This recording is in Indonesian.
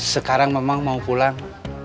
sekarang memang mau pulang